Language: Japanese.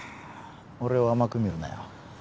俺を甘く見るなよ